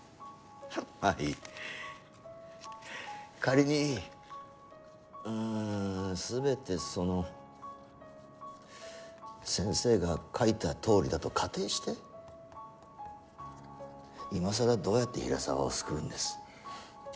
仮にあ全てその先生が書いたとおりだと仮定して今更どうやって平沢を救うんです？